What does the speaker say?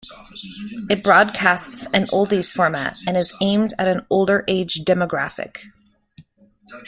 It broadcasts an oldies format, and is aimed at an older age demographic.